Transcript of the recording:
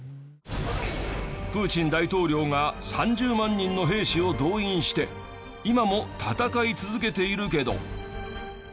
プーチン大統領が３０万人の兵士を動員して今も戦い続けているけど。